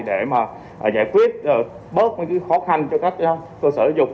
để mà giải quyết bớt khó khăn cho các cơ sở giáo dục